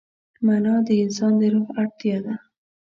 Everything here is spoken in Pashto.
معنی د انسان د روح اړتیا ده.